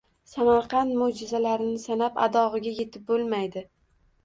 Samarqand moʻjizalarini sanab adog‘iga yetib bo‘lmaydi.